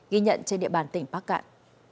ghi nhận trên địa bàn tỉnh bắc cạn